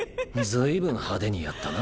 随分派手にやったな。